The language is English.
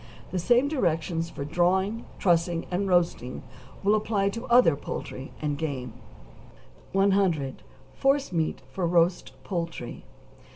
The same directions for drawing, trussing, and roasting will apply to other poultry and game. 100. =Forcemeat for Roast Poultry.